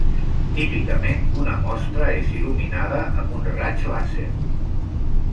Típicament, una mostra és il·luminada amb un raig làser.